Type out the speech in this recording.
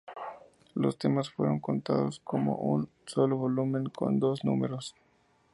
Los temas fueron contados como un solo volumen con dos números.